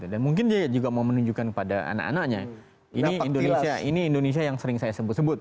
dan mungkin dia juga mau menunjukkan kepada anak anaknya ini indonesia yang sering saya sebut sebut